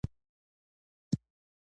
موږ کور ته ننوتو او خاوند مو ولید.